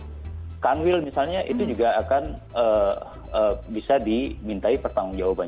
nah kalau kan will misalnya itu juga akan bisa dimintai pertanggung jawaban